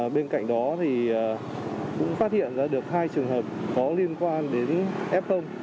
bên cạnh đó thì cũng phát hiện ra được hai trường hợp có liên quan đến f